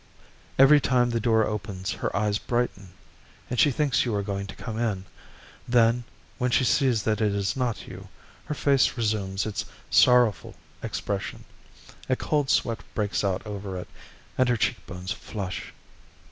Every time the door opens her eyes brighten, and she thinks you are going to come in; then, when she sees that it is not you, her face resumes its sorrowful expression, a cold sweat breaks out over it, and her cheek bones flush.